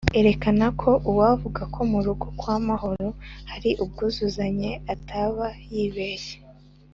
erekana ko uwavuga ko mu rugo kwa mahoro hari ubwuzuzanye ataba yibeshye.